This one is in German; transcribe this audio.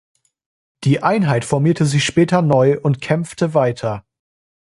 Die Einheit formierte sich später neu und kämpfte weiter.